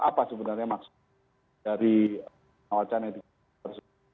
apa sebenarnya maksudnya dari wacana yang dikemukakan